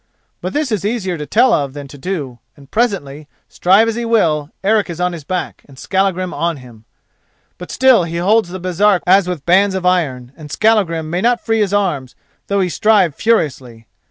But this is easier to tell of than to do, and presently, strive as he will, Eric is on his back, and Skallagrim on him. But still he holds the Baresark as with bands of iron, and Skallagrim may not free his arms, though he strive furiously.